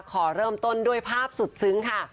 ขอเริ่มต้นด้วยภาพสุดซึ้งค่ะ